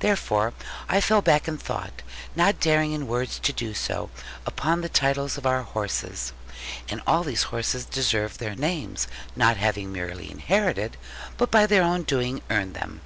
Therefore, I fell back in thought, not daring in words to do so, upon the titles of our horses. And all these horses deserved their names, not having merely inherited, but by their own doing earned them.